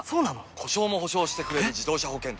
故障も補償してくれる自動車保険といえば？